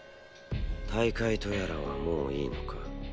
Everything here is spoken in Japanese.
大会とやらはもういいのか。